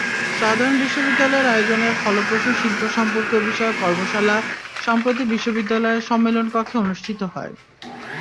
Southern বিশ্ববিদ্যালয়ের আয়োজনে ফলপ্রসূ শিল্প সম্পর্কবিষয়ক কর্মশালা সম্প্র্রতি বিশ্ববিদ্যালয়ের সম্মেলন কক্ষে অনুষ্ঠিত হয়।